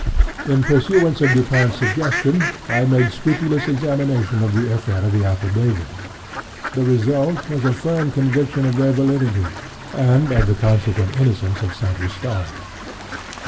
In pursuance of Dupin's suggestion, I made scrupulous examination of the affair of the affidavits. The result was a firm conviction of their validity, and of the consequent innocence of St. Eustache.